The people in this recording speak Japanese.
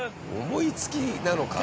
思いつきなのか？